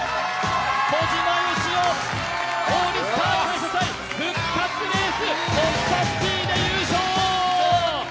小島よしお、「オールスター感謝祭」復活レース、オッパッピーで優勝！